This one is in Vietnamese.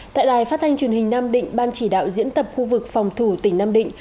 tại đài phát thanh truyền hình nam định ban chỉ đạo diễn tập khu vực phòng thủ tỉnh nam định